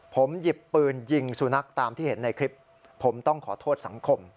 ผมหยิบปืนยิงสุนัขตามที่เห็นในคลิปผมต้องขอโทษสังคม